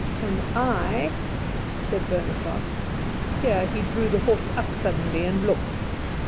And I " said Bonaparte. Here he drew the horse up suddenly and looked.